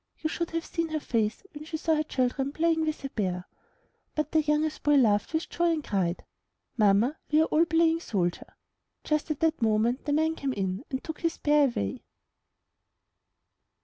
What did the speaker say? You should have seen her face when she saw her children playing with a bear! But the youngest boy laughed with joy and cried, 'Mamma, we are all playing soldier!' ''Just at that moment the man came in and took his bear away."